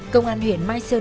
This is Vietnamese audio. công an huyện mai sơn